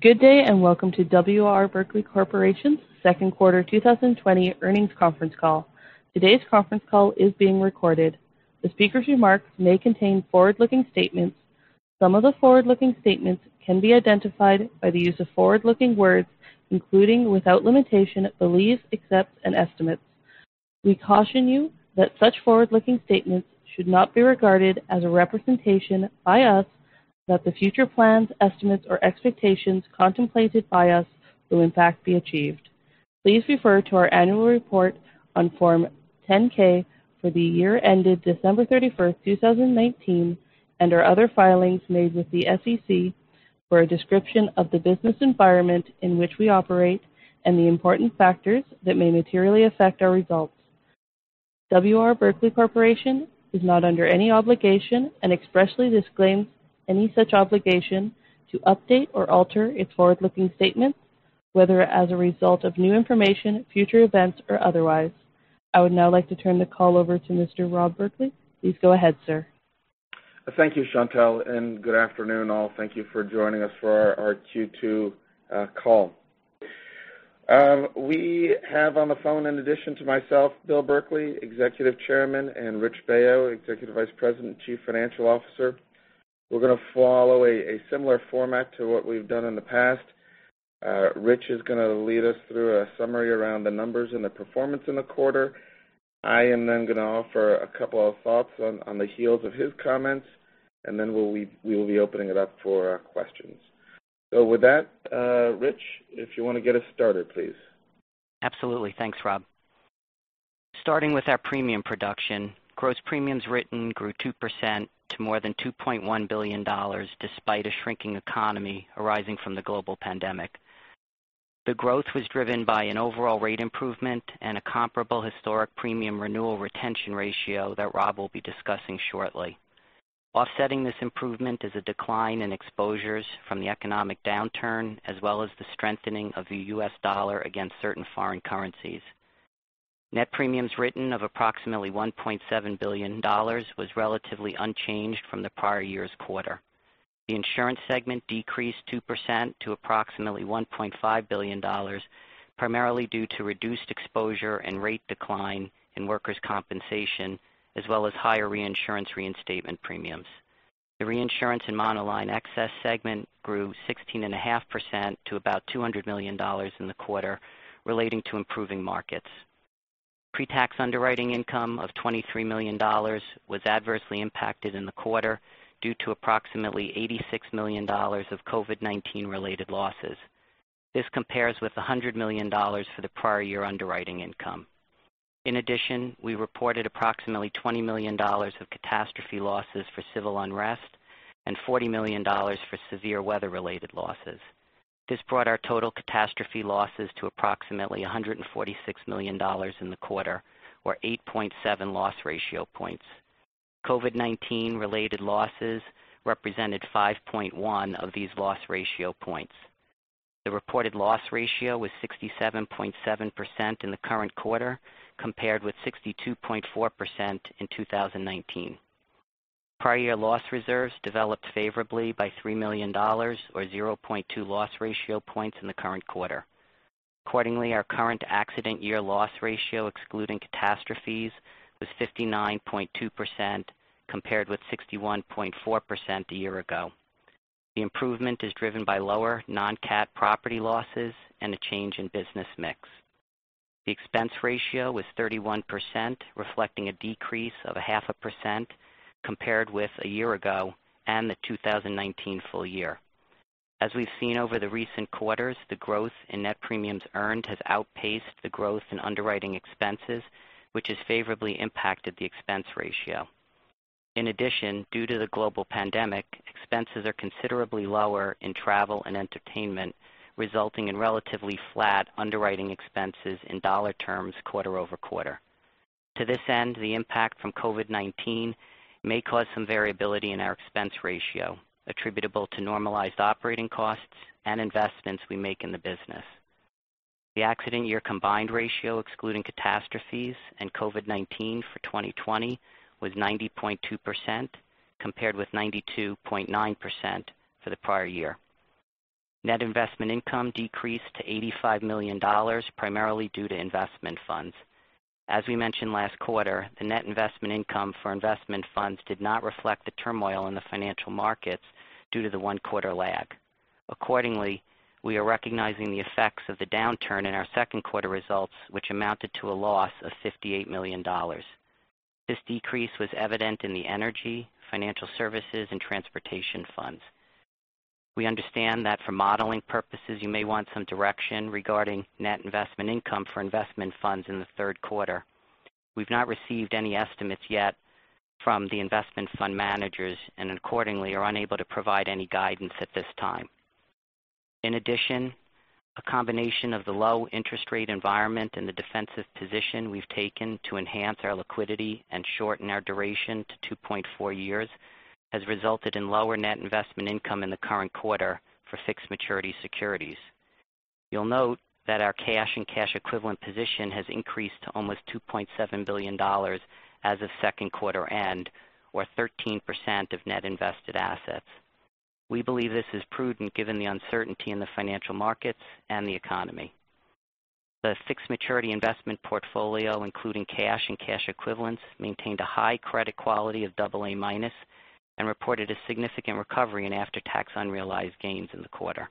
Good day and welcome to W. R. Berkley Corporation's second quarter 2020 earnings conference call. Today's conference call is being recorded. The speaker's remarks may contain forward-looking statements. Some of the forward-looking statements can be identified by the use of forward-looking words, including without limitation, believes, accepts, and estimates. We caution you that such forward-looking statements should not be regarded as a representation by us that the future plans, estimates, or expectations contemplated by us will, in fact, be achieved. Please refer to our annual report on Form 10-K for the year ended December 31st, 2019, and our other filings made with the SEC for a description of the business environment in which we operate and the important factors that may materially affect our results. W. R. Berkley Corporation is not under any obligation and expressly disclaims any such obligation to update or alter its forward-looking statements, whether as a result of new information, future events, or otherwise. I would now like to turn the call over to Mr. Rob Berkley. Please go ahead, sir. Thank you, Chantal, and good afternoon, all. Thank you for joining us for our Q2 call. We have on the phone, in addition to myself, Bill Berkley, Executive Chairman, and Rich Baio, Executive Vice President and Chief Financial Officer. We're going to follow a similar format to what we've done in the past. Rich is going to lead us through a summary around the numbers and the performance in the quarter. I am then going to offer a couple of thoughts on the heels of his comments, and then we will be opening it up for questions, so with that, Rich, if you want to get us started, please. Absolutely. Thanks, Rob. Starting with our premium production, gross premiums written grew 2% to more than $2.1 billion despite a shrinking economy arising from the global pandemic. The growth was driven by an overall rate improvement and a comparable historic premium renewal retention ratio that Rob will be discussing shortly. Offsetting this improvement is a decline in exposures from the economic downturn as well as the strengthening of the U.S. dollar against certain foreign currencies. Net premiums written of approximately $1.7 billion was relatively unchanged from the prior year's quarter. The insurance segment decreased 2% to approximately $1.5 billion, primarily due to reduced exposure and rate decline in workers' compensation, as well as higher reinsurance reinstatement premiums. The reinsurance and monoline excess segment grew 16.5% to about $200 million in the quarter, relating to improving markets. Pretax underwriting income of $23 million was adversely impacted in the quarter due to approximately $86 million of COVID-19-related losses. This compares with $100 million for the prior year underwriting income. In addition, we reported approximately $20 million of catastrophe losses for civil unrest and $40 million for severe weather-related losses. This brought our total catastrophe losses to approximately $146 million in the quarter, or 8.7 loss ratio points. COVID-19-related losses represented 5.1 of these loss ratio points. The reported loss ratio was 67.7% in the current quarter, compared with 62.4% in 2019. Prior year loss reserves developed favorably by $3 million, or 0.2 loss ratio points in the current quarter. Accordingly, our current accident year loss ratio, excluding catastrophes, was 59.2%, compared with 61.4% a year ago. The improvement is driven by lower non-cat property losses and a change in business mix. The expense ratio was 31%, reflecting a decrease of 0.5% compared with a year ago and the 2019 full year. As we've seen over the recent quarters, the growth in net premiums earned has outpaced the growth in underwriting expenses, which has favorably impacted the expense ratio. In addition, due to the global pandemic, expenses are considerably lower in travel and entertainment, resulting in relatively flat underwriting expenses in dollar terms quarter-over-quarter. To this end, the impact from COVID-19 may cause some variability in our expense ratio, attributable to normalized operating costs and investments we make in the business. The accident year combined ratio, excluding catastrophes and COVID-19 for 2020, was 90.2%, compared with 92.9% for the prior year. Net investment income decreased to $85 million, primarily due to investment funds. As we mentioned last quarter, the net investment income for investment funds did not reflect the turmoil in the financial markets due to the one-quarter lag. Accordingly, we are recognizing the effects of the downturn in our second quarter results, which amounted to a loss of $58 million. This decrease was evident in the energy, financial services, and transportation funds. We understand that for modeling purposes, you may want some direction regarding net investment income for investment funds in the third quarter. We've not received any estimates yet from the investment fund managers and, accordingly, are unable to provide any guidance at this time. In addition, a combination of the low interest rate environment and the defensive position we've taken to enhance our liquidity and shorten our duration to 2.4 years has resulted in lower net investment income in the current quarter for fixed maturity securities. You'll note that our cash and cash equivalent position has increased to almost $2.7 billion as of second quarter end, or 13% of net invested assets. We believe this is prudent given the uncertainty in the financial markets and the economy. The fixed maturity investment portfolio, including cash and cash equivalents, maintained a high credit quality of AA- and reported a significant recovery in after-tax unrealized gains in the quarter.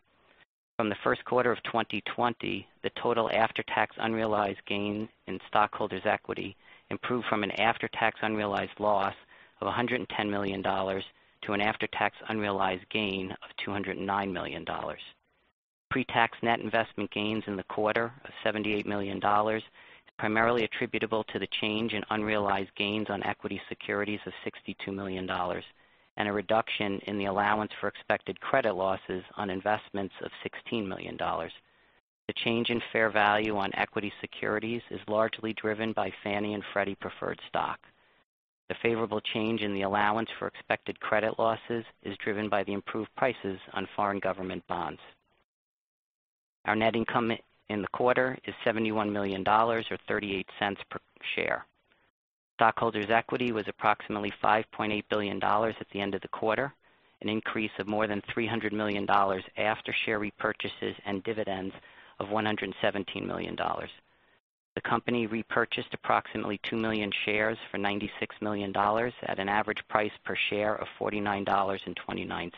From the first quarter of 2020, the total after-tax unrealized gain in stockholders' equity improved from an after-tax unrealized loss of $110 million to an after-tax unrealized gain of $209 million. Pretax net investment gains in the quarter of $78 million are primarily attributable to the change in unrealized gains on equity securities of $62 million and a reduction in the allowance for expected credit losses on investments of $16 million. The change in fair value on equity securities is largely driven by Fannie Mae and Freddie Mac preferred stock. The favorable change in the allowance for expected credit losses is driven by the improved prices on foreign government bonds. Our net income in the quarter is $71 million, or $0.38 per share. Stockholders' equity was approximately $5.8 billion at the end of the quarter, an increase of more than $300 million after share repurchases and dividends of $117 million. The company repurchased approximately 2 million shares for $96 million at an average price per share of $49.29.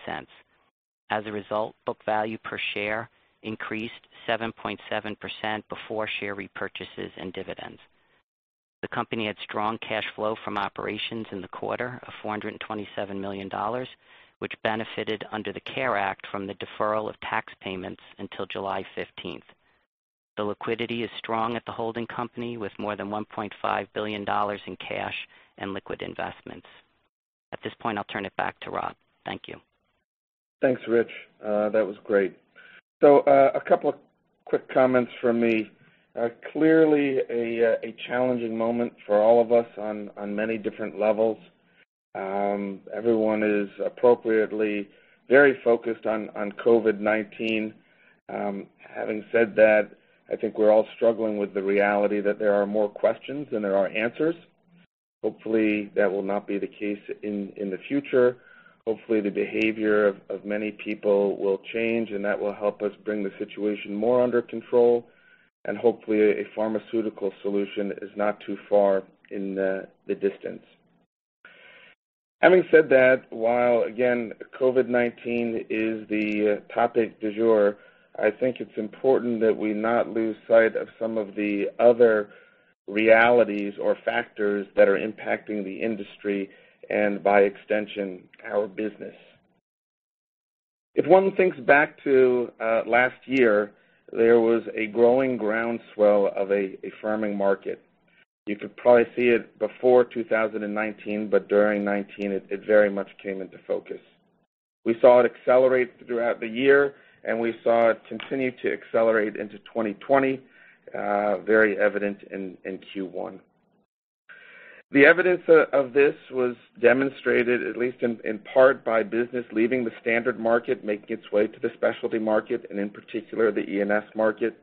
As a result, book value per share increased 7.7% before share repurchases and dividends. The company had strong cash flow from operations in the quarter of $427 million, which benefited under the CARES Act from the deferral of tax payments until July 15. The liquidity is strong at the holding company with more than $1.5 billion in cash and liquid investments. At this point, I'll turn it back to Rob. Thank you. Thanks, Rich. That was great, so a couple of quick comments from me. Clearly, a challenging moment for all of us on many different levels. Everyone is appropriately very focused on COVID-19. Having said that, I think we're all struggling with the reality that there are more questions than there are answers. Hopefully, that will not be the case in the future. Hopefully, the behavior of many people will change, and that will help us bring the situation more under control, and hopefully, a pharmaceutical solution is not too far in the distance. Having said that, while, again, COVID-19 is the topic du jour, I think it's important that we not lose sight of some of the other realities or factors that are impacting the industry and, by extension, our business. If one thinks back to last year, there was a growing groundswell of a firming market. You could probably see it before 2019, but during 2019, it very much came into focus. We saw it accelerate throughout the year, and we saw it continue to accelerate into 2020, very evident in Q1. The evidence of this was demonstrated, at least in part, by business leaving the standard market, making its way to the specialty market, and in particular, the E&S market.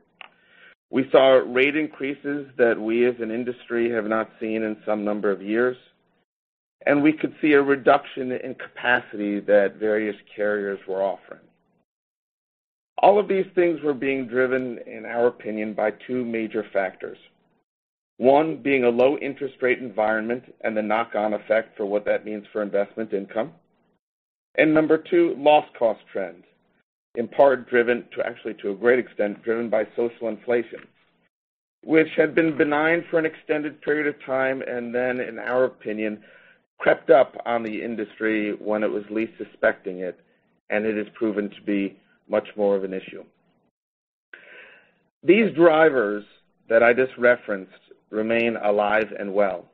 We saw rate increases that we, as an industry, have not seen in some number of years. And we could see a reduction in capacity that various carriers were offering. All of these things were being driven, in our opinion, by two major factors. One being a low interest rate environment and the knock-on effect for what that means for investment income. And number two, loss cost trends, in part driven to, actually, to a great extent, driven by social inflation, which had been benign for an extended period of time and then, in our opinion, crept up on the industry when it was least suspecting it, and it has proven to be much more of an issue. These drivers that I just referenced remain alive and well.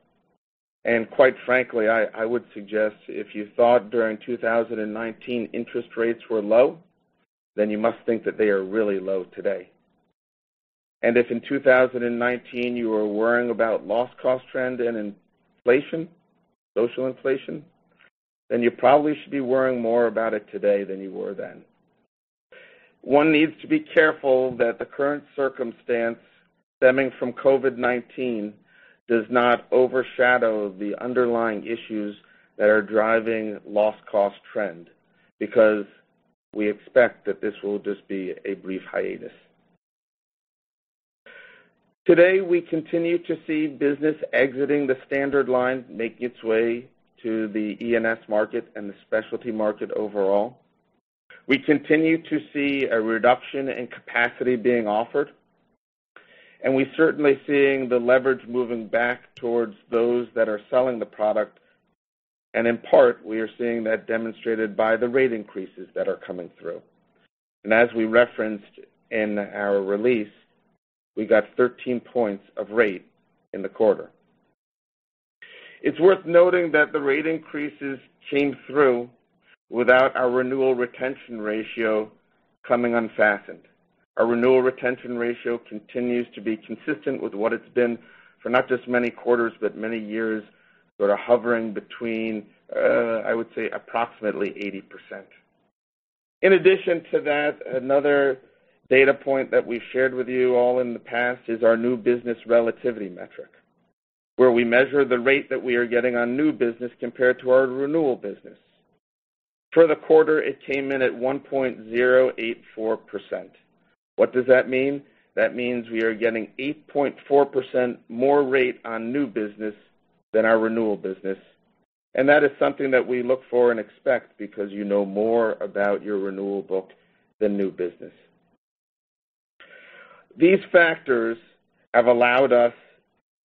And quite frankly, I would suggest if you thought during 2019 interest rates were low, then you must think that they are really low today. And if in 2019 you were worrying about loss cost trend and inflation, social inflation, then you probably should be worrying more about it today than you were then. One needs to be careful that the current circumstance stemming from COVID-19 does not overshadow the underlying issues that are driving loss cost trend because we expect that this will just be a brief hiatus. Today, we continue to see business exiting the standard line, making its way to the E&S market and the specialty market overall. We continue to see a reduction in capacity being offered, and we're certainly seeing the leverage moving back towards those that are selling the product. And in part, we are seeing that demonstrated by the rate increases that are coming through. And as we referenced in our release, we got 13 points of rate in the quarter. It's worth noting that the rate increases came through without our renewal retention ratio coming unfastened. Our renewal retention ratio continues to be consistent with what it's been for not just many quarters but many years, sort of hovering between, I would say, approximately 80%. In addition to that, another data point that we've shared with you all in the past is our new business relativity metric, where we measure the rate that we are getting on new business compared to our renewal business. For the quarter, it came in at 1.084%. What does that mean? That means we are getting 8.4% more rate on new business than our renewal business. And that is something that we look for and expect because you know more about your renewal book than new business. These factors have allowed us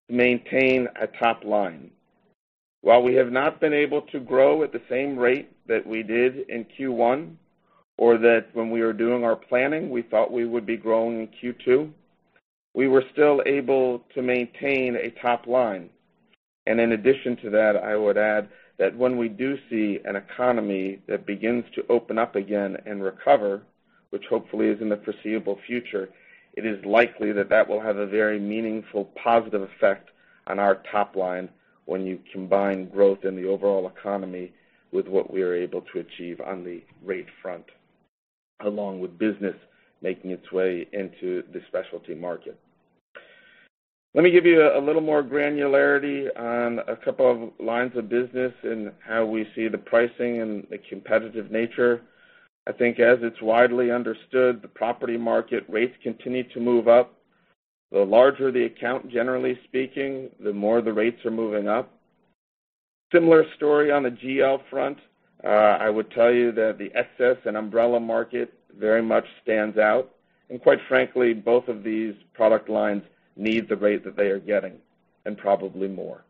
to maintain a top line. While we have not been able to grow at the same rate that we did in Q1, or that when we were doing our planning, we thought we would be growing in Q2, we were still able to maintain a top line, and in addition to that, I would add that when we do see an economy that begins to open up again and recover, which hopefully is in the foreseeable future, it is likely that that will have a very meaningful positive effect on our top line when you combine growth in the overall economy with what we are able to achieve on the rate front, along with business making its way into the specialty market. Let me give you a little more granularity on a couple of lines of business and how we see the pricing and the competitive nature. I think as it's widely understood, the property market rates continue to move up. The larger the account, generally speaking, the more the rates are moving up. Similar story on the GL front. I would tell you that the excess and umbrella market very much stands out, and quite frankly, both of these product lines need the rate that they are getting and probably more.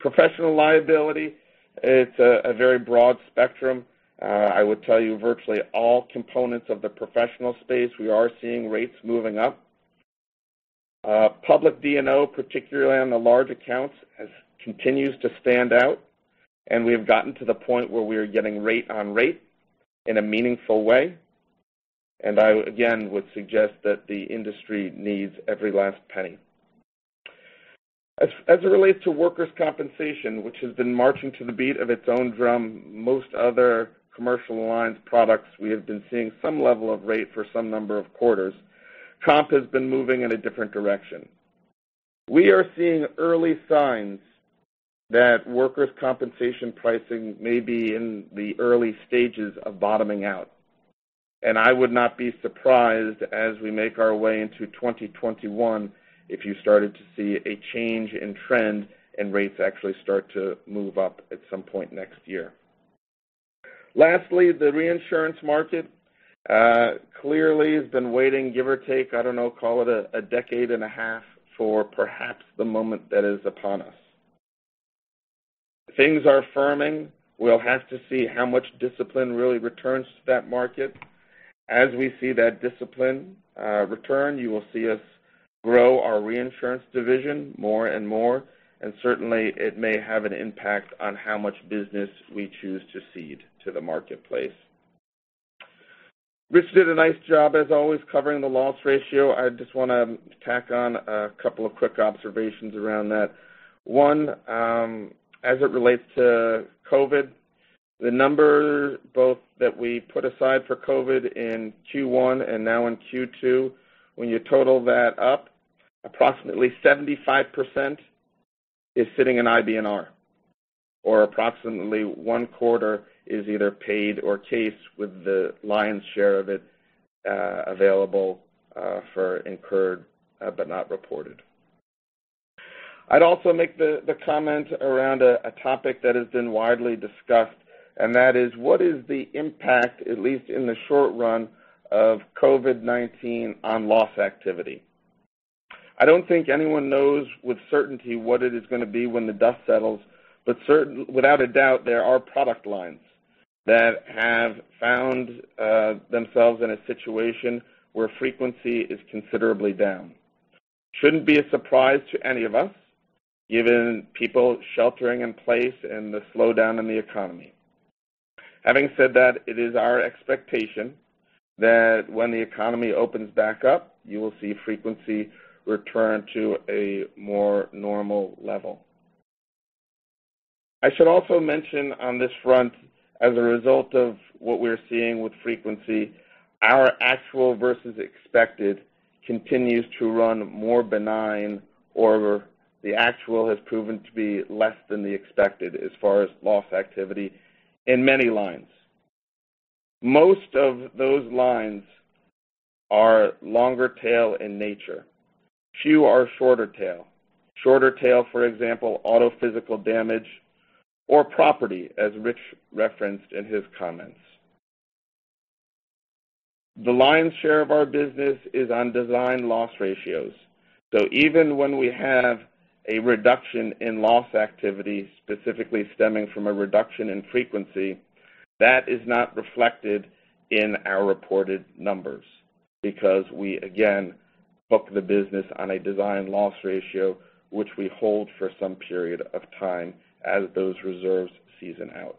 Professional liability, it's a very broad spectrum. I would tell you virtually all components of the professional space, we are seeing rates moving up. Public D&O, particularly on the large accounts, continues to stand out, and we have gotten to the point where we are getting rate on rate in a meaningful way, and I, again, would suggest that the industry needs every last penny. As it relates to workers' compensation, which has been marching to the beat of its own drum. Most other commercial lines' products, we have been seeing some level of rate for some number of quarters. Comp has been moving in a different direction. We are seeing early signs that workers' compensation pricing may be in the early stages of bottoming out, and I would not be surprised as we make our way into 2021 if you started to see a change in trend and rates actually start to move up at some point next year. Lastly, the reinsurance market clearly has been waiting, give or take, I don't know, call it a decade and a half for perhaps the moment that is upon us. Things are affirming. We'll have to see how much discipline really returns to that market. As we see that discipline return, you will see us grow our reinsurance division more and more. And certainly, it may have an impact on how much business we choose to cede to the marketplace. Rich did a nice job, as always, covering the loss ratio. I just want to tack on a couple of quick observations around that. One, as it relates to COVID, the number both that we put aside for COVID in Q1 and now in Q2, when you total that up, approximately 75% is sitting in IBNR, or approximately one quarter is either paid or case with the lion's share of it available for incurred but not reported. I'd also make the comment around a topic that has been widely discussed, and that is what is the impact, at least in the short run, of COVID-19 on loss activity? I don't think anyone knows with certainty what it is going to be when the dust settles, but without a doubt, there are product lines that have found themselves in a situation where frequency is considerably down. Shouldn't be a surprise to any of us, given people sheltering in place and the slowdown in the economy. Having said that, it is our expectation that when the economy opens back up, you will see frequency return to a more normal level. I should also mention on this front, as a result of what we're seeing with frequency, our actual versus expected continues to run more benign, or the actual has proven to be less than the expected as far as loss activity in many lines. Most of those lines are longer tail in nature. Few are shorter tail. Shorter tail, for example, auto physical damage or property, as Rich referenced in his comments. The lion's share of our business is on designed loss ratios. So even when we have a reduction in loss activity, specifically stemming from a reduction in frequency, that is not reflected in our reported numbers because we, again, book the business on a designed loss ratio, which we hold for some period of time as those reserves season out.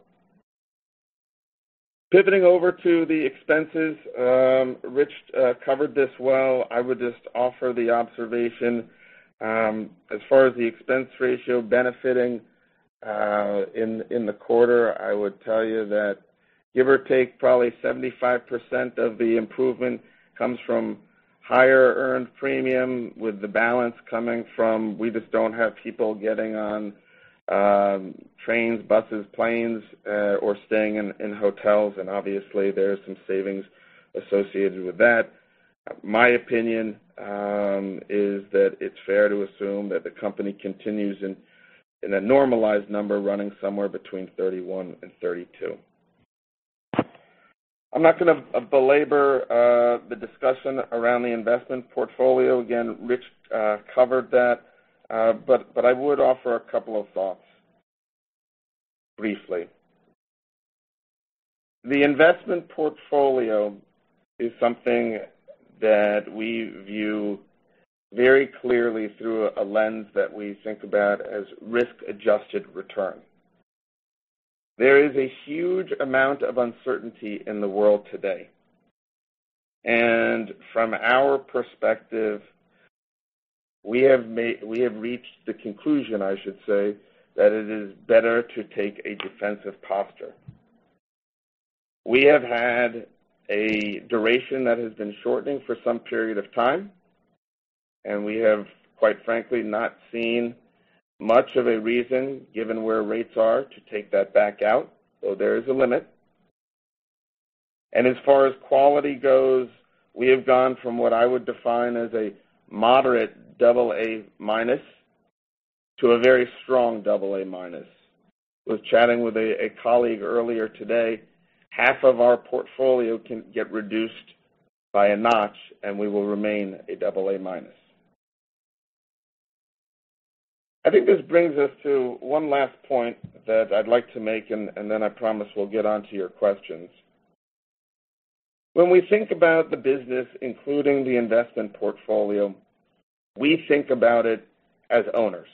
Pivoting over to the expenses, Rich covered this well. I would just offer the observation. As far as the expense ratio benefiting in the quarter, I would tell you that, give or take, probably 75% of the improvement comes from higher earned premium with the balance coming from we just don't have people getting on trains, buses, planes, or staying in hotels. Obviously, there are some savings associated with that. My opinion is that it's fair to assume that the company continues in a normalized number running somewhere between 31 and 32. I'm not going to belabor the discussion around the investment portfolio. Again, Rich covered that, but I would offer a couple of thoughts briefly. The investment portfolio is something that we view very clearly through a lens that we think about as risk-adjusted return. There is a huge amount of uncertainty in the world today, and from our perspective, we have reached the conclusion, I should say, that it is better to take a defensive posture. We have had a duration that has been shortening for some period of time, and we have, quite frankly, not seen much of a reason, given where rates are, to take that back out, though there is a limit. As far as quality goes, we have gone from what I would define as a moderate AA- to a very strong AA-. I was chatting with a colleague earlier today. Half of our portfolio can get reduced by a notch, and we will remain AA-. I think this brings us to one last point that I'd like to make, and then I promise we'll get on to your questions. When we think about the business, including the investment portfolio, we think about it as owners.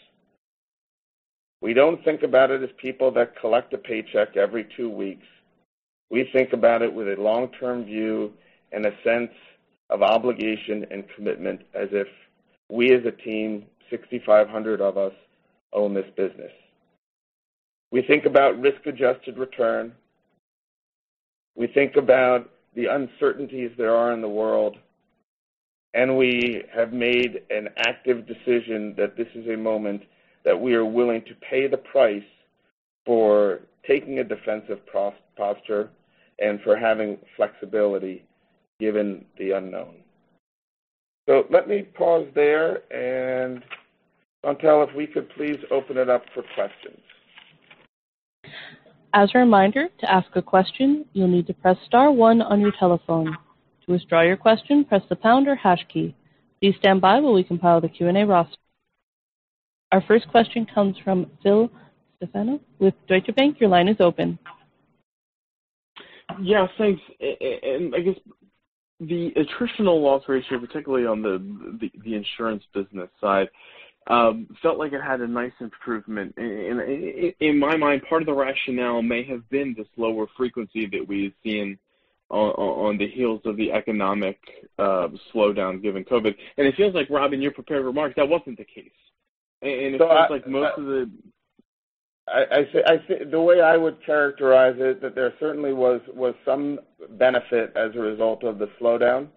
We don't think about it as people that collect a paycheck every two weeks. We think about it with a long-term view and a sense of obligation and commitment as if we, as a team, 6,500 of us, own this business. We think about risk-adjusted return. We think about the uncertainties there are in the world, and we have made an active decision that this is a moment that we are willing to pay the price for taking a defensive posture and for having flexibility given the unknown. So let me pause there, and Chantal, if we could please open it up for questions. As a reminder, to ask a question, you'll need to press star one on your telephone. To withdraw your question, press the pound or hash key. Please stand by while we compile the Q&A roster. Our first question comes from Phil Stefano with Deutsche Bank. Your line is open. Yeah. Thanks, and I guess the attritional loss ratio, particularly on the insurance business side, felt like it had a nice improvement. In my mind, part of the rationale may have been this lower frequency that we've seen on the heels of the economic slowdown given COVID, and it feels like, Rob, in your prepared remarks, that wasn't the case, and it feels like most of the. I think the way I would characterize it, that there certainly was some benefit as a result of the slowdown.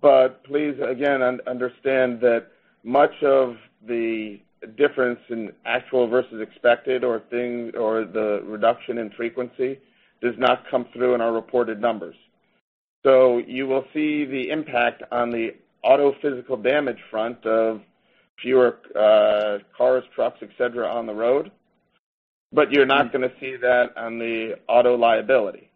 But please, again, understand that much of the difference in actual versus expected or the reduction in frequency does not come through in our reported numbers. So you will see the impact on the auto physical damage front of fewer cars, trucks, etc., on the road, but you're not going to see that on the auto liability.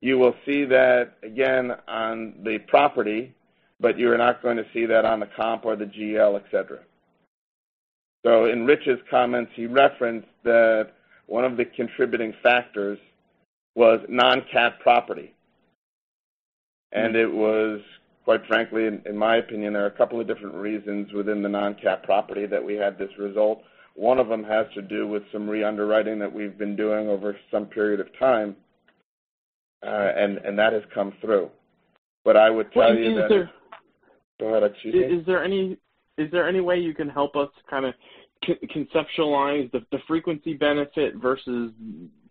You will see that, again, on the property, but you are not going to see that on the comp or the GL, etc. So in Rich's comments, he referenced that one of the contributing factors was non-cat property. And it was, quite frankly, in my opinion, there are a couple of different reasons within the non-cat property that we had this result. One of them has to do with some re-underwriting that we've been doing over some period of time, and that has come through. But I would tell you that. Thank you, sir. Go ahead. I think you said. Is there any way you can help us kind of conceptualize the frequency benefit versus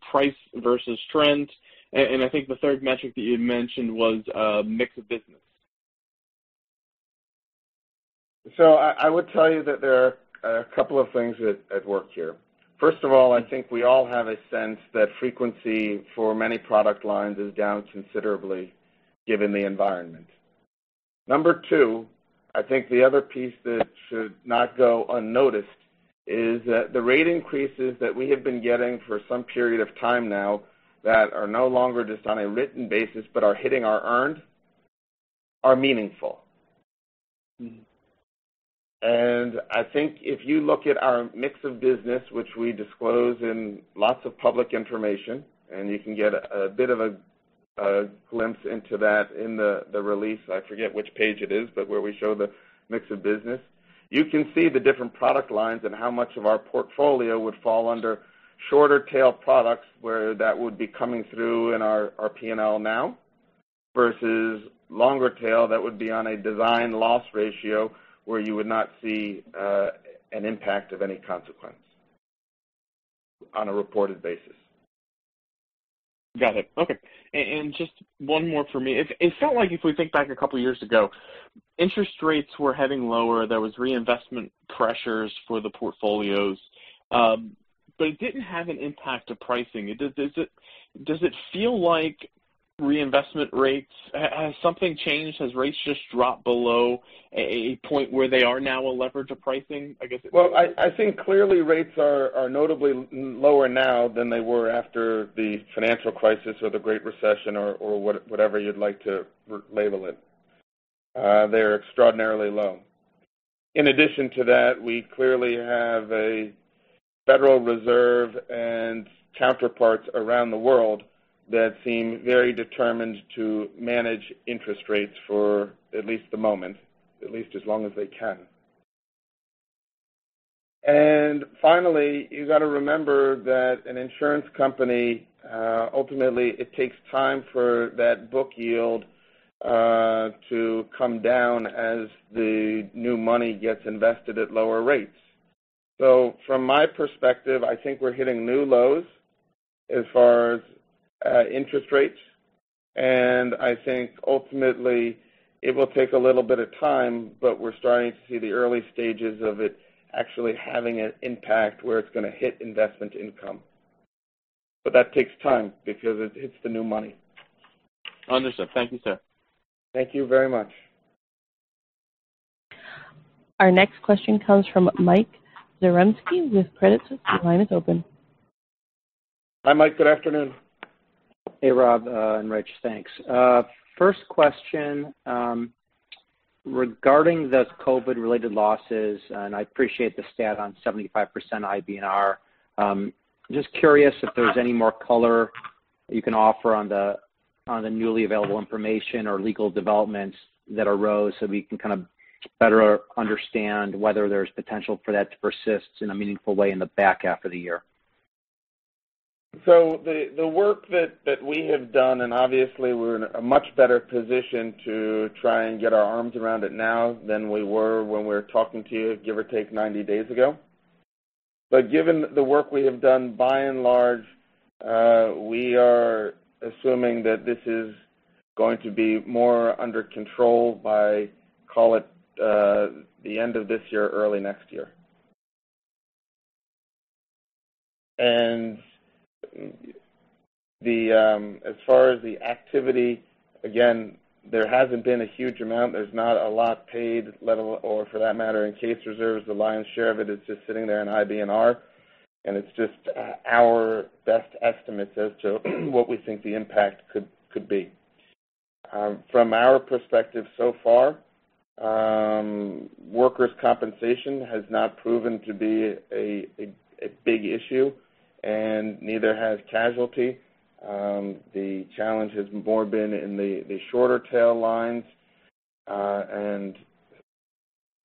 price versus trend? And I think the third metric that you had mentioned was a mix of business. So I would tell you that there are a couple of things that work here. First of all, I think we all have a sense that frequency for many product lines is down considerably given the environment. Number two, I think the other piece that should not go unnoticed is that the rate increases that we have been getting for some period of time now that are no longer just on a written basis but are hitting our earned are meaningful. And I think if you look at our mix of business, which we disclose in lots of public information, and you can get a bit of a glimpse into that in the release. I forget which page it is, but where we show the mix of business. You can see the different product lines and how much of our portfolio would fall under shorter tail products, where that would be coming through in our P&L now, versus longer tail that would be on a design loss ratio, where you would not see an impact of any consequence on a reported basis. Got it. Okay. And just one more for me. It felt like if we think back a couple of years ago, interest rates were heading lower. There was reinvestment pressures for the portfolios, but it didn't have an impact of pricing. Does it feel like reinvestment rates has something changed? Has rates just dropped below a point where they are now a leverage of pricing? I guess. I think clearly rates are notably lower now than they were after the financial crisis or the Great Recession or whatever you'd like to label it. They're extraordinarily low. In addition to that, we clearly have a Federal Reserve and counterparts around the world that seem very determined to manage interest rates for at least the moment, at least as long as they can. Finally, you got to remember that an insurance company, ultimately, it takes time for that book yield to come down as the new money gets invested at lower rates. From my perspective, I think we're hitting new lows as far as interest rates. I think ultimately it will take a little bit of time, but we're starting to see the early stages of it actually having an impact where it's going to hit investment income. But that takes time because it hits the new money. Understood. Thank you, sir. Thank you very much. Our next question comes from Mike Zaremski with Credit Suisse. The line is open. Hi, Mike. Good afternoon. Hey, Rob and Rich. Thanks. First question regarding the COVID-related losses, and I appreciate the stat on 75% IBNR. Just curious if there's any more color you can offer on the newly available information or legal developments that arose so we can kind of better understand whether there's potential for that to persist in a meaningful way in the back half of the year? So the work that we have done, and obviously we're in a much better position to try and get our arms around it now than we were when we were talking to you, give or take 90 days ago. But given the work we have done, by and large, we are assuming that this is going to be more under control by, call it, the end of this year, early next year. And as far as the activity, again, there hasn't been a huge amount. There's not a lot paid or, for that matter, in case reserves. The lion's share of it is just sitting there in IBNR, and it's just our best estimates as to what we think the impact could be. From our perspective so far, workers' compensation has not proven to be a big issue, and neither has casualty. The challenge has more been in the shorter tail lines and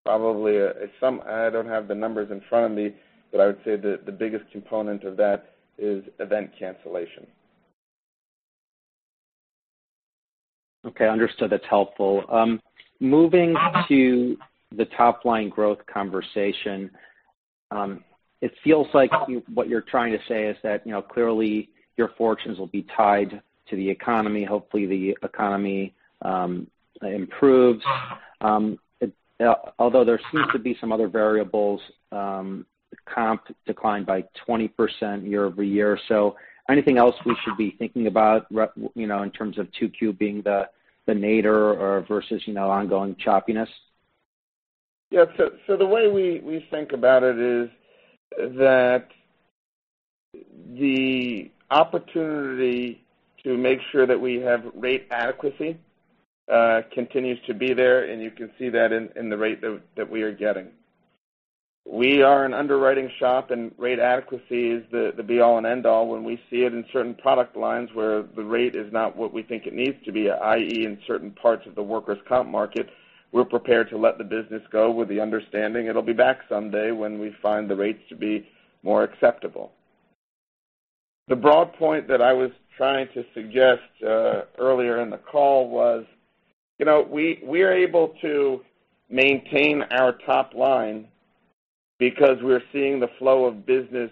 probably I don't have the numbers in front of me, but I would say that the biggest component of that is event cancellation. Okay. Understood. That's helpful. Moving to the top-line growth conversation, it feels like what you're trying to say is that clearly your fortunes will be tied to the economy. Hopefully, the economy improves. Although there seems to be some other variables, comp declined by 20% year-over-year. So anything else we should be thinking about in terms of Q2 being the nadir versus ongoing choppiness? Yeah. So the way we think about it is that the opportunity to make sure that we have rate adequacy continues to be there, and you can see that in the rate that we are getting. We are an underwriting shop, and rate adequacy is the be-all and end-all. When we see it in certain product lines where the rate is not what we think it needs to be, i.e., in certain parts of the workers' comp market, we're prepared to let the business go with the understanding it'll be back someday when we find the rates to be more acceptable. The broad point that I was trying to suggest earlier in the call was we are able to maintain our top line because we're seeing the flow of business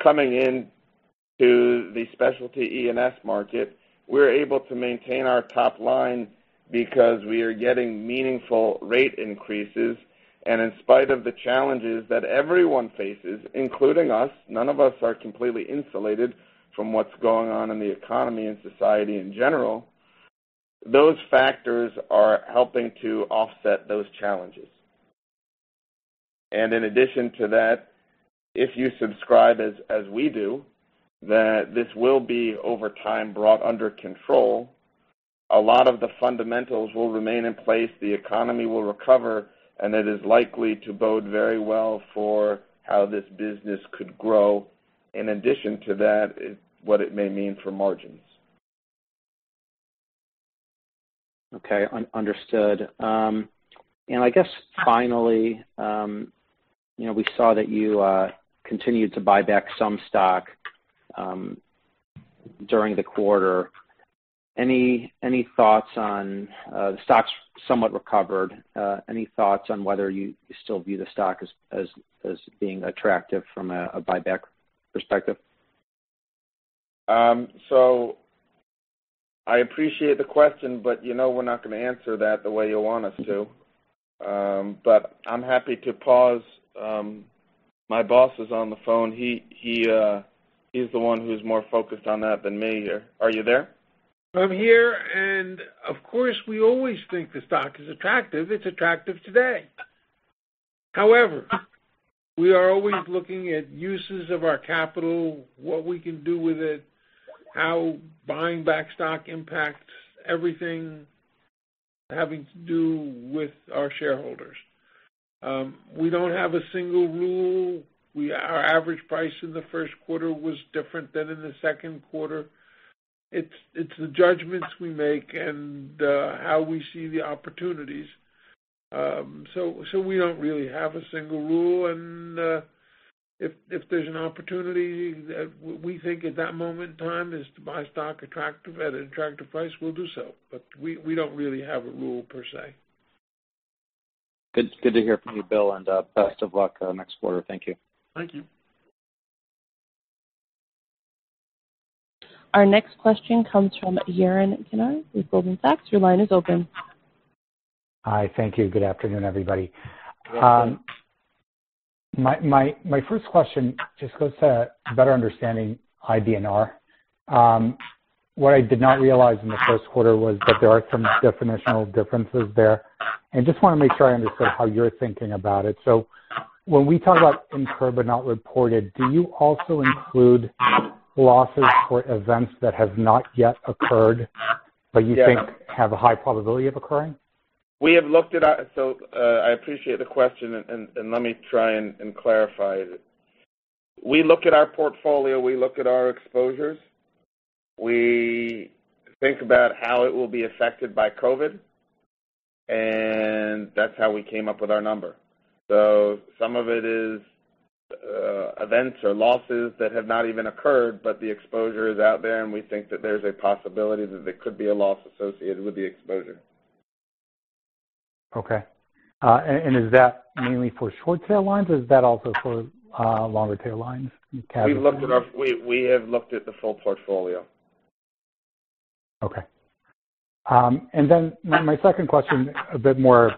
coming into the specialty E&S market. We're able to maintain our top line because we are getting meaningful rate increases. And in spite of the challenges that everyone faces, including us, none of us are completely insulated from what's going on in the economy and society in general. Those factors are helping to offset those challenges. And in addition to that, if you subscribe as we do, that this will be over time brought under control, a lot of the fundamentals will remain in place, the economy will recover, and it is likely to bode very well for how this business could grow. In addition to that, what it may mean for margins. Okay. Understood. And I guess finally, we saw that you continued to buy back some stock during the quarter. Any thoughts on the stock's somewhat recovered? Any thoughts on whether you still view the stock as being attractive from a buyback perspective? So I appreciate the question, but we're not going to answer that the way you want us to. But I'm happy to pause. My boss is on the phone. He's the one who's more focused on that than me. Are you there? I'm here, and of course, we always think the stock is attractive. It's attractive today. However, we are always looking at uses of our capital, what we can do with it, how buying back stock impacts everything having to do with our shareholders. We don't have a single rule. Our average price in the first quarter was different than in the second quarter. It's the judgments we make and how we see the opportunities, so we don't really have a single rule, and if there's an opportunity that we think at that moment in time is to buy stock at an attractive price, we'll do so, but we don't really have a rule per se. Good to hear from you, Bill. And best of luck next quarter. Thank you. Thank you. Our next question comes from Yaron Kinar with Goldman Sachs. Your line is open. Hi. Thank you. Good afternoon, everybody. My first question just goes to better understanding IBNR. What I did not realize in the first quarter was that there are some definitional differences there, and just want to make sure I understood how you're thinking about it. So when we talk about incurred but not reported, do you also include losses for events that have not yet occurred but you think have a high probability of occurring? So I appreciate the question, and let me try and clarify it. We look at our portfolio. We look at our exposures. We think about how it will be affected by COVID, and that's how we came up with our number. So some of it is events or losses that have not even occurred, but the exposure is out there, and we think that there's a possibility that there could be a loss associated with the exposure. Okay, and is that mainly for short tail lines, or is that also for longer tail lines? We have looked at the full portfolio. Okay. And then my second question, a bit more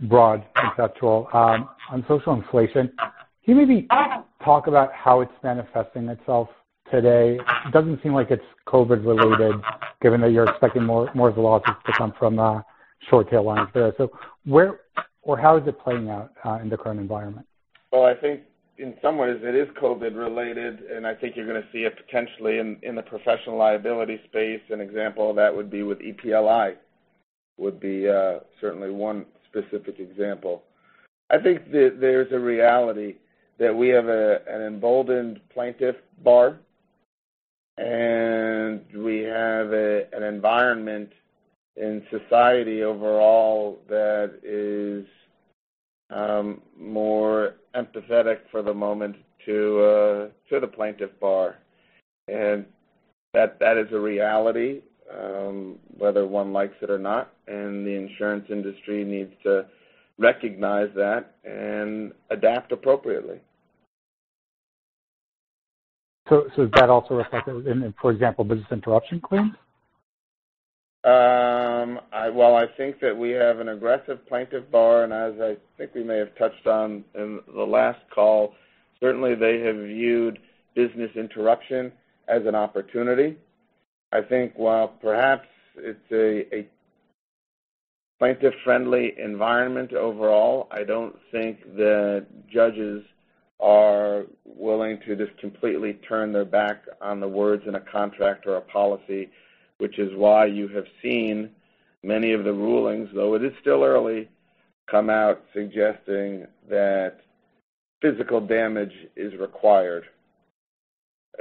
broad conceptual. On social inflation, can you maybe talk about how it's manifesting itself today? It doesn't seem like it's COVID-related, given that you're expecting more of the losses to come from short tail lines there. So where or how is it playing out in the current environment? I think in some ways it is COVID-related, and I think you're going to see it potentially in the professional liability space. An example of that would be with EPLI, certainly one specific example. I think that there's a reality that we have an emboldened plaintiff bar, and we have an environment in society overall that is more empathetic for the moment to the plaintiff bar. That is a reality, whether one likes it or not. The insurance industry needs to recognize that and adapt appropriately. So is that also reflected in, for example, business interruption claims? I think that we have an aggressive plaintiff bar. As I think we may have touched on in the last call, certainly they have viewed business interruption as an opportunity. I think while perhaps it's a plaintiff-friendly environment overall, I don't think the judges are willing to just completely turn their back on the words in a contract or a policy, which is why you have seen many of the rulings, though it is still early, come out suggesting that physical damage is required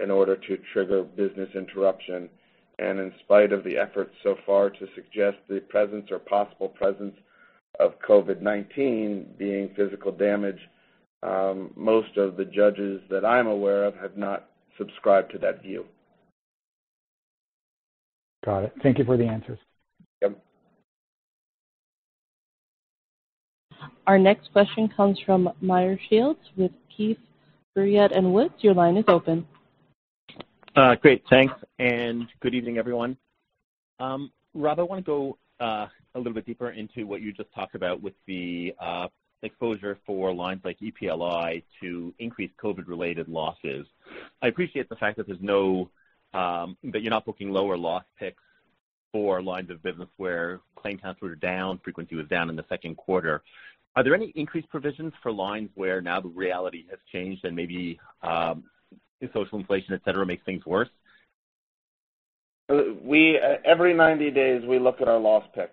in order to trigger business interruption. In spite of the efforts so far to suggest the presence or possible presence of COVID-19 being physical damage, most of the judges that I'm aware of have not subscribed to that view. Got it. Thank you for the answers. Yep. Our next question comes from Meyer Shields with Keefe, Bruyette & Woods. Your line is open. Great. Thanks. And good evening, everyone. Rob, I want to go a little bit deeper into what you just talked about with the exposure for lines like EPLI to increased COVID-related losses. I appreciate the fact that you're not booking lower loss picks for lines of business where claim counts were down, frequency was down in the second quarter. Are there any increased provisions for lines where now the reality has changed and maybe social inflation, etc., makes things worse? Every 90 days, we look at our loss picks,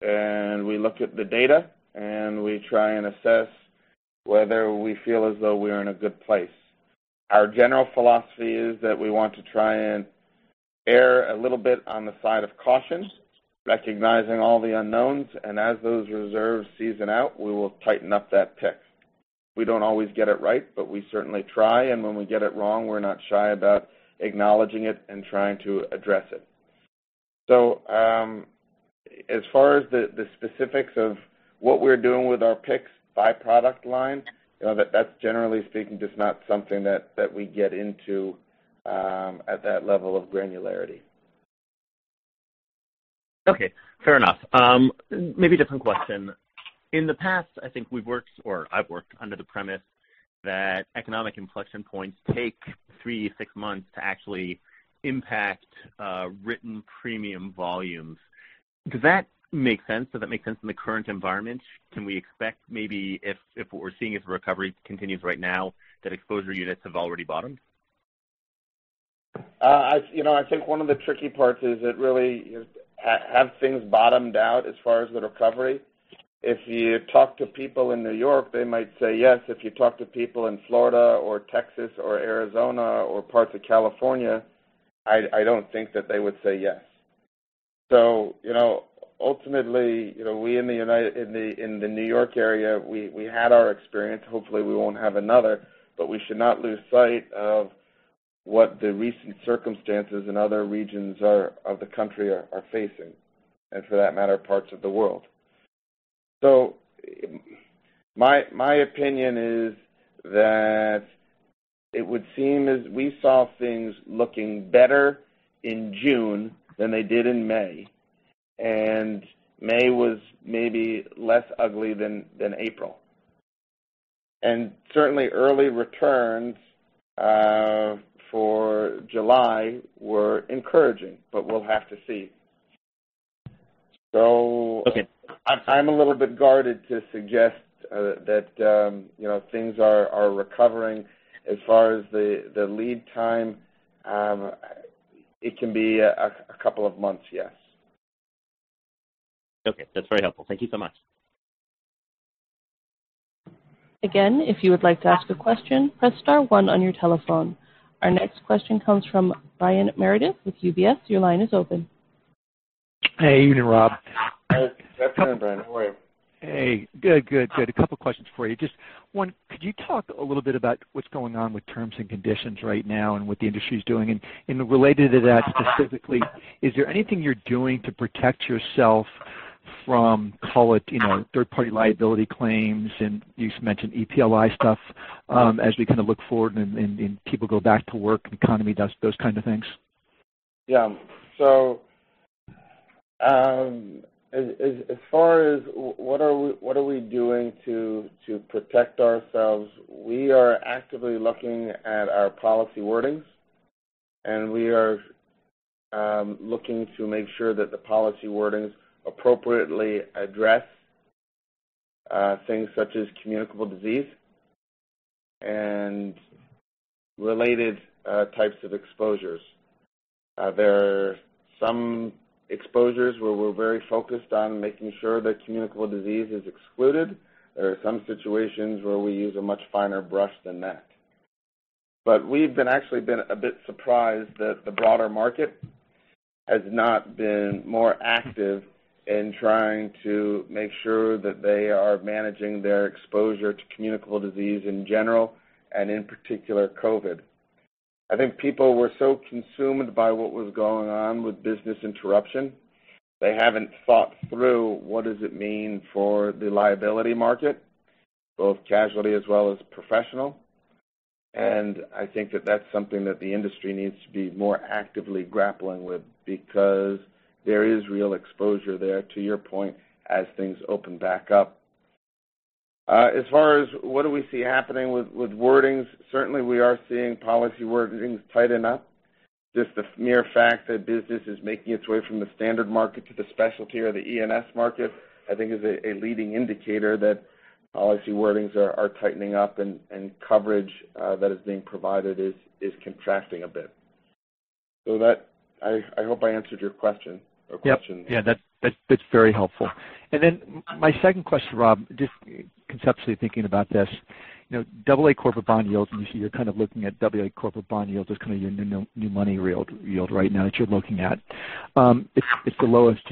and we look at the data, and we try and assess whether we feel as though we are in a good place. Our general philosophy is that we want to try and err a little bit on the side of caution, recognizing all the unknowns, and as those reserves season out, we will tighten up that pick. We don't always get it right, but we certainly try, and when we get it wrong, we're not shy about acknowledging it and trying to address it, so as far as the specifics of what we're doing with our picks, by product line, that's generally speaking just not something that we get into at that level of granularity. Okay. Fair enough. Maybe a different question. In the past, I think we've worked—or I've worked—under the premise that economic inflection points take three months, six months to actually impact written premium volumes. Does that make sense? Does that make sense in the current environment? Can we expect maybe if what we're seeing is recovery continues right now, that exposure units have already bottomed? I think one of the tricky parts is that, really, have things bottomed out as far as the recovery. If you talk to people in New York, they might say yes. If you talk to people in Florida or Texas or Arizona or parts of California, I don't think that they would say yes, so ultimately, we in the New York area, we had our experience. Hopefully, we won't have another, but we should not lose sight of what the recent circumstances in other regions of the country are facing, and for that matter, parts of the world. So my opinion is that it would seem, as we saw things looking better in June than they did in May, and May was maybe less ugly than April, and certainly early returns for July were encouraging, but we'll have to see. So I'm a little bit guarded to suggest that things are recovering. As far as the lead time, it can be a couple of months, yes. Okay. That's very helpful. Thank you so much. Again, if you would like to ask a question, press star one on your telephone. Our next question comes from Brian Meredith with UBS. Your line is open. Hey. Evening, Rob. Good afternoon, Brian. How are you? Hey. Good, good, good. A couple of questions for you. Just one, could you talk a little bit about what's going on with terms and conditions right now and what the industry is doing? And related to that specifically, is there anything you're doing to protect yourself from, call it, third-party liability claims? And you mentioned EPLI stuff as we kind of look forward and people go back to work, economy, those kinds of things. Yeah. So as far as what are we doing to protect ourselves, we are actively looking at our policy wordings, and we are looking to make sure that the policy wordings appropriately address things such as communicable disease and related types of exposures. There are some exposures where we're very focused on making sure that communicable disease is excluded. There are some situations where we use a much finer brush than that. But we've actually been a bit surprised that the broader market has not been more active in trying to make sure that they are managing their exposure to communicable disease in general and in particular COVID. I think people were so consumed by what was going on with business interruption, they haven't thought through what does it mean for the liability market, both casualty as well as professional? And I think that that's something that the industry needs to be more actively grappling with because there is real exposure there, to your point, as things open back up. As far as what do we see happening with wordings, certainly we are seeing policy wordings tighten up. Just the mere fact that business is making its way from the standard market to the specialty or the E&S market, I think is a leading indicator that policy wordings are tightening up and coverage that is being provided is contracting a bit. So I hope I answered your question. Yeah. Yeah. That's very helpful. And then my second question, Rob, just conceptually thinking about this. W.A. corporate bond yields, and you're kind of looking at W.A. corporate bond yields as kind of your new money yield right now that you're looking at. It's the lowest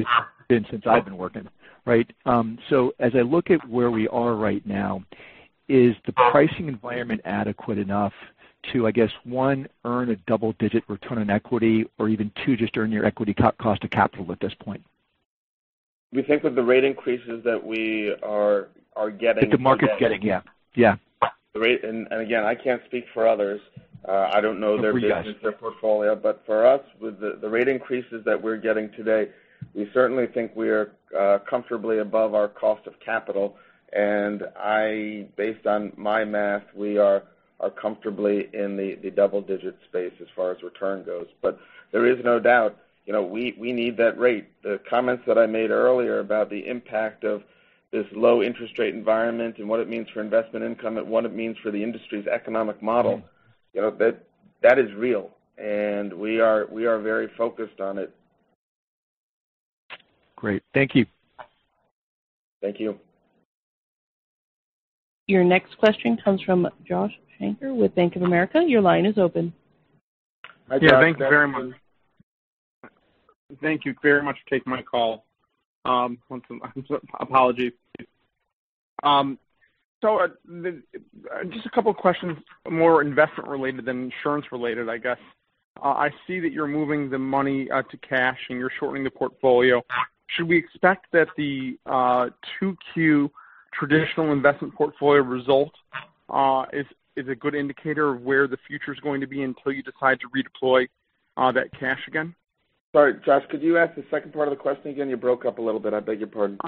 since I've been working, right? So as I look at where we are right now, is the pricing environment adequate enough to, I guess, one, earn a double-digit return on equity, or even two, just earn your equity cost of capital at this point? We think with the rate increases that we are getting. That the market's getting. Yeah. Yeah. And again, I can't speak for others. I don't know their business or portfolio. But for us, with the rate increases that we're getting today, we certainly think we are comfortably above our cost of capital. And based on my math, we are comfortably in the double-digit space as far as return goes. But there is no doubt we need that rate. The comments that I made earlier about the impact of this low interest rate environment and what it means for investment income and what it means for the industry's economic model, that is real. And we are very focused on it. Great. Thank you. Thank you. Your next question comes from Josh Shanker with Bank of America. Your line is open. Hi, Josh. Yeah. Thank you very much. Thank you very much for taking my call. Apologies. So just a couple of questions, more investment-related than insurance-related, I guess. I see that you're moving the money to cash, and you're shortening the portfolio. Should we expect that the 2Q traditional investment portfolio result is a good indicator of where the future is going to be until you decide to redeploy that cash again? Sorry, Josh, could you ask the second part of the question again? You broke up a little bit. I beg your pardon.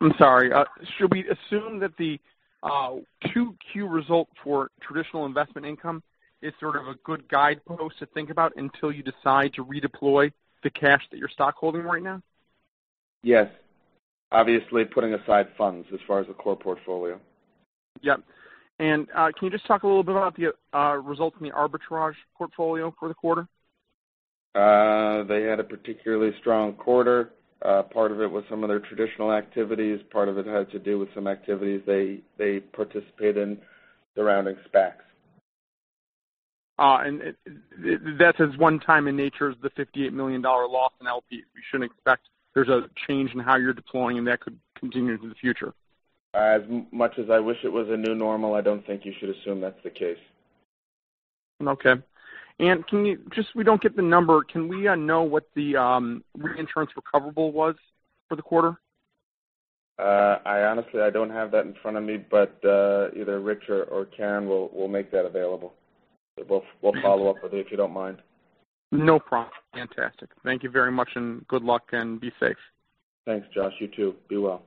I'm sorry. Should we assume that the 2Q result for traditional investment income is sort of a good guidepost to think about until you decide to redeploy the cash that you're stockholding right now? Yes. Obviously, putting aside funds as far as a core portfolio. Yep. And can you just talk a little bit about the results in the arbitrage portfolio for the quarter? They had a particularly strong quarter. Part of it was some of their traditional activities. Part of it had to do with some activities they participate in surrounding SPACs. That says one-time in nature is the $58 million loss in LPs. We shouldn't expect there's a change in how you're deploying, and that could continue into the future. As much as I wish it was a new normal, I don't think you should assume that's the case. Okay. And just we don't get the number. Can we know what the reinsurance recoverable was for the quarter? Honestly, I don't have that in front of me, but either Rich or Karen will make that available. We'll follow up with it if you don't mind. No problem. Fantastic. Thank you very much, and good luck, and be safe. Thanks, Josh. You too. Be well.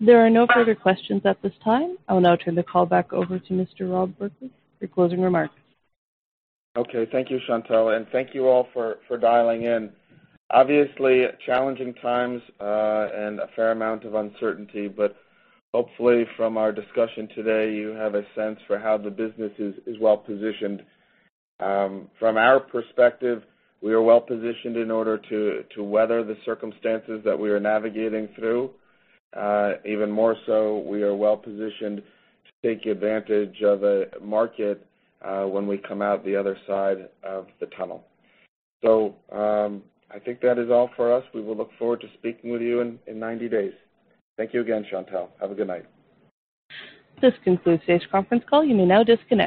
There are no further questions at this time. I'll now turn the call back over to Mr. Rob Berkley for closing remarks. Okay. Thank you, Chantal. And thank you all for dialing in. Obviously, challenging times and a fair amount of uncertainty, but hopefully, from our discussion today, you have a sense for how the business is well positioned. From our perspective, we are well positioned in order to weather the circumstances that we are navigating through. Even more so, we are well positioned to take advantage of a market when we come out the other side of the tunnel. So I think that is all for us. We will look forward to speaking with you in 90 days. Thank you again, Chantal. Have a good night. This concludes today's conference call. You may now disconnect.